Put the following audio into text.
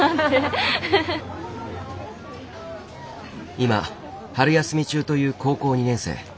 今春休み中という高校２年生。